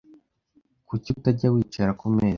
Kuki utajya wicara kumeza?